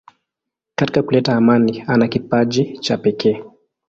Katika kuleta amani ana kipaji cha pekee.